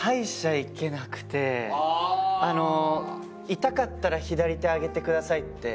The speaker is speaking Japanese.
「痛かったら左手挙げてください」って。